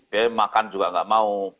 dia makan juga nggak mau